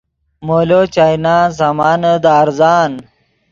مولو چائینان سامانے دے ارزان